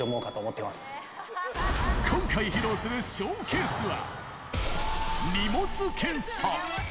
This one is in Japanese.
今回披露するショーケースは、荷物検査。